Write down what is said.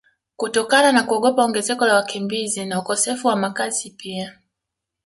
kutokana na kuogopa ongezeko la wakimbizi na ukosefu wa makazi pia